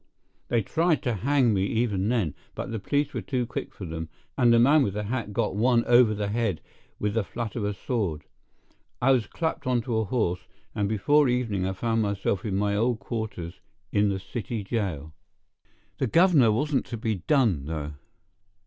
They tried to hang me even then, but the police were too quick for them; and the man with the hat got one over the head with the flat of a sword. I was clapped on to a horse, and before evening I found myself in my old quarters in the city jail. The governor wasn't to be done, though.